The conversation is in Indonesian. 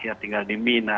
ya tinggal di mina